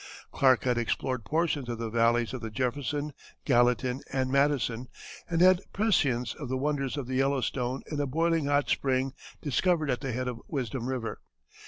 Clark had explored portions of the valleys of the Jefferson, Gallatin, and Madison, and had prescience of the wonders of the Yellowstone in a boiling hot spring discovered at the head of Wisdom River.